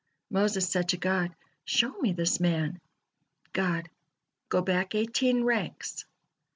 Moses said to God: "Show me this man." God: "Go back eighteen ranks."